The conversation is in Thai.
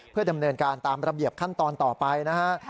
เพื่อดำเนินการตามระเบียบขั้นตอนต่อไปนะฮะ